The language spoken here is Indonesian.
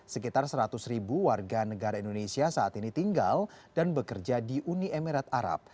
sekitar seratus ribu warga negara indonesia saat ini tinggal dan bekerja di uni emirat arab